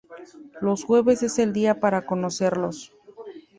Los jueves es el día para conocerlos.